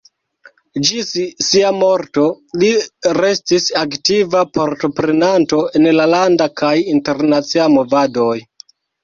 Ĝis sia morto li restis aktiva partoprenanto en la landa kaj internacia movadoj.